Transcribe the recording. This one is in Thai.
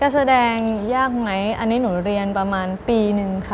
แสดงยากไหมอันนี้หนูเรียนประมาณปีนึงค่ะ